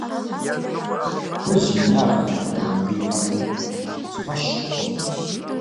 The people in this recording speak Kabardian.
- Уэр зи инагъ уихуэрэ мобы и къэпым? Си фӏэщ хъуркъым.